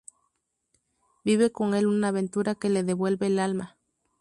Vive con el una aventura que le devuelve el alma.